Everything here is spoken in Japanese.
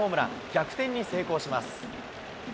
逆転に成功します。